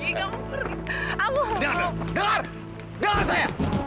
dengar dulu dengar dengar saya